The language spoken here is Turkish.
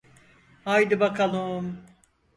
Haydi bakalum.